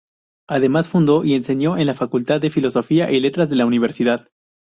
Además fundó y enseñó en la Facultad de Filosofía y Letras de la universidad.